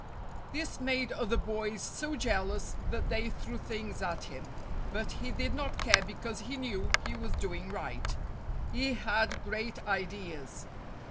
This made other boys so jealous that they threw things at him, but he did not care because he knew he was doing right. He had great ideas.